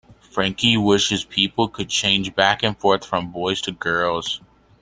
Frankie wishes people could "change back and forth from boys to girls".